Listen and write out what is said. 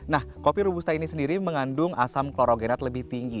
nah kopi robusta ini sendiri mengandung asam klorogenat lebih tinggi